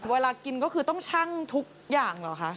เวลากินก็คือต้องชั่งทุกอย่างเหรอคะ